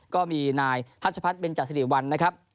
ก็มีนายทัชพัฒนเบนจสิริวัลนะครับ